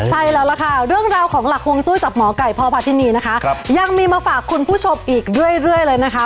ใช่แล้วล่ะค่ะเรื่องของหลักมุมจุ้ยจับหมอก่ายพรผัฐนีย์นะครับยังมีมาฝากคุณผู้ชมอีกเรื่อยเลยนะคะ